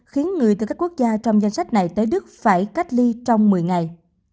khiến người từ các quốc gia trong danh sách này tới đức phải cách ly trong một mươi ngày